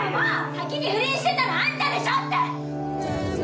先に不倫してたのあんたでしょって」